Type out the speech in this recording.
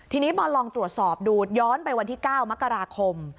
ทีนี้พอลองตรวจสอบดูย้อนไปวันที่๙มกราคม